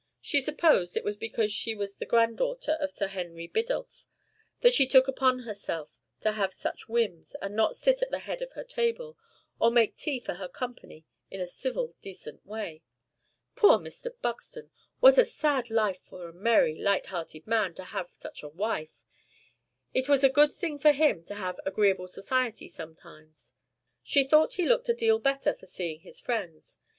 She supposed it was because she was the granddaughter of Sir Henry Biddulph that she took upon herself to have such whims, and not sit at the head of her table, or make tea for her company in a civil decent way. Poor Mr. Buxton! What a sad life for a merry, light hearted man to have such a wife! It was a good thing for him to have agreeable society sometimes. She thought he looked a deal better for seeing his friends.